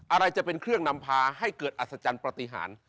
อะไรจะเป็นเครื่องนำพาให้เกิดอัศจรรย์ปฏิหาร